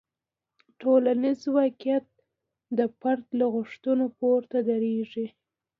ټولنیز واقیعت د فرد له غوښتنو پورته دریږي.